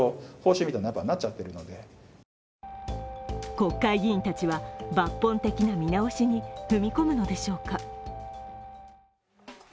国会議員たちは抜本的な見直しに踏み込むのでしょうか。